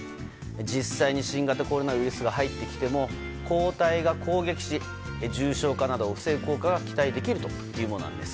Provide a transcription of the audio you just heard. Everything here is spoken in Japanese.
実際に新型コロナウイルスが入ってきても抗体が攻撃し重症化などを防ぐ効果が期待できるというものなんです。